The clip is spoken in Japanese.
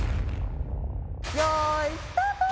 よいスタート！